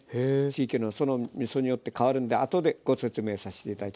地域のそのみそによって変わるんであとでご説明させて頂きます。